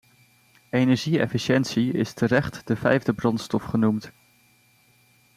Energie-efficiëntie is terecht de vijfde brandstof genoemd.